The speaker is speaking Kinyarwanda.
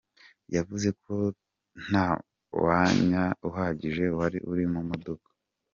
Yavuze ko "nta mwanya uhagije wari uri mu modoka.